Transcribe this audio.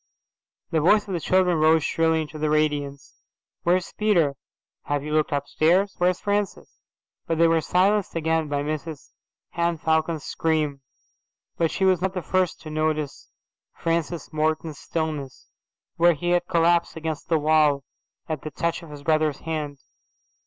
The voice of the children rose shrilly into the radiance. "Where's Peter?"' "Have you looked upstairs?"' "Where's Francis?"' but they were silenced again by Mrs Henne Falcon's scream. But she was not the first to notice Francis Morton's stillness, where he had collapsed against the wall at the touch of his brother's hand.